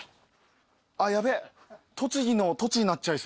あっヤベえ栃木の「栃」になっちゃいそうだ。